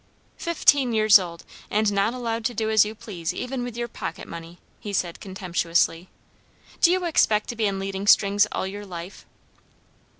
"Fifteen years old, and not allowed to do as you please even with your pocket money!" he said contemptuously. "Do you expect to be in leading strings all your life?"